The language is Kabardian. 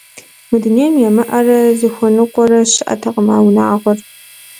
Мы дунейм ямыӀэрэ зыхуэныкъуэрэ щыӀэтэкъым а унагъуэр.